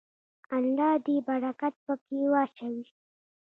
الله دې برکت پکې واچوي.